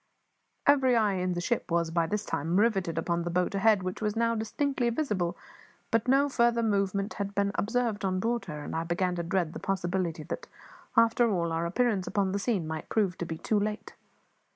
Every eye in the ship was by this time riveted upon the boat ahead, which was now distinctly visible; but no further movement had been observed on board her, and I began to dread the possibility that, after all, our appearance upon the scene might prove to be too late.